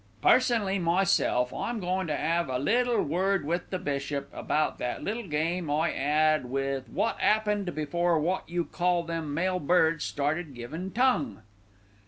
"Personally, myself, I'm goin' to 'ave a little word with the bishop about that little game I 'ad with wot 'appened before wot you call them male birds started givin' tongue."